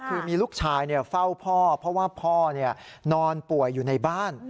คือมีลูกชายเฝ้าพ่อเพราะว่าพ่อนอนป่วยอยู่ในบ้าน